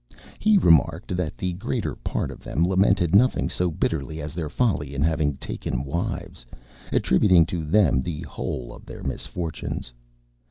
He remarked that the greater part of them lamented nothing so bitterly as their folly in having taken wives, attributing to them the whole of their misfortunes.